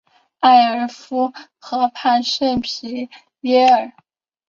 埃尔夫河畔圣皮耶尔。